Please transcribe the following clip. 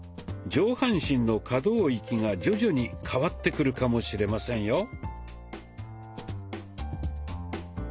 上半身の可動域が徐々に変わってくるかもしれませんよ。